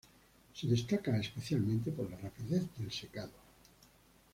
Se destaca especialmente por la rapidez del secado.